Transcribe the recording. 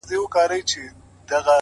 زما د تصور لاس گراني ستا پر ځــنگانـه,